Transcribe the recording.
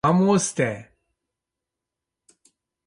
Mamoste